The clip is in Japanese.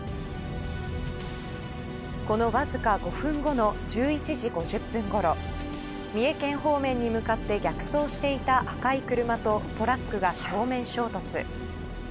このわずか５分後の１１時５０分ごろ三重県方面に向かって逆走していた赤い車とトラックが正面衝突。